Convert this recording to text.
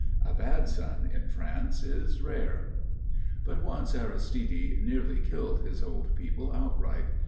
A bad son in France is rare. But once Aristide nearly killed his old people outright.